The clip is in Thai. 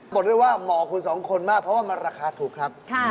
บอกได้ว่าเหมาะคุณสองคนมากเพราะว่ามันราคาถูกครับ